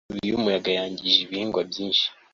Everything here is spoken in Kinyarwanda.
Inkubi yumuyaga yangije ibihingwa byinshi